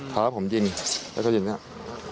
ท้าผมยิงแล้วเขายิงแอบนั้น